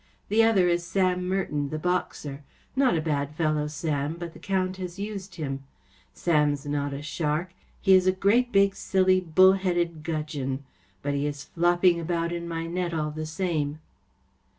The other is Sam Merton, the boxer. Not a bad fellow, Sam, but the Count has used him. Sam’s not a shark. He is a great big silly bull headed gudgeon. But he is flopping about in my net all the same.